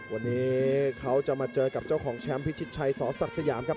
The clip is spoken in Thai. วันนี้เขาจะมาเจอกับเจ้าของแชมป์พิชิตชัยสศักดิ์สยามครับ